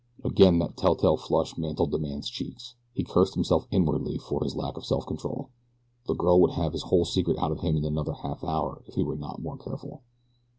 Again that telltale flush mantled the man's cheek. He cursed himself inwardly for his lack of self control. The girl would have his whole secret out of him in another half hour if he were not more careful.